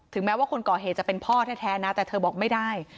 แม้ว่าคนก่อเหตุจะเป็นพ่อแท้นะแต่เธอบอกไม่ได้